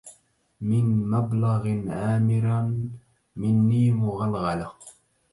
من مبلغ عامرا مني مغلغلة